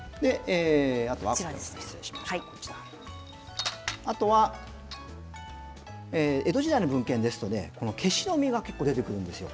そして、あとは江戸時代の文献ですとケシの実が結構出てくるんですよ